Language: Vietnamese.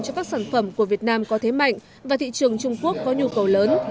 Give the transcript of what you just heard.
cho các sản phẩm của việt nam có thế mạnh và thị trường trung quốc có nhu cầu lớn